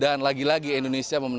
dan lagi lagi indonesia menang